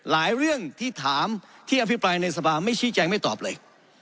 เรื่องที่ถามที่อภิปรายในสภาไม่ชี้แจงไม่ตอบเลย